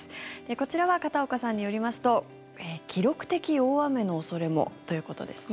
こちらは、片岡さんによりますと記録的大雨の恐れもということですね。